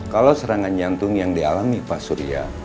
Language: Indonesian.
kalau serangan jantung yang dialami pak surya